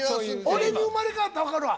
俺に生まれ変わったら分かるわ。